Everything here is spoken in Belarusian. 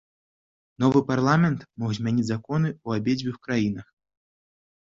Новы парламент мог змяняць законы ў абедзвюх краінах.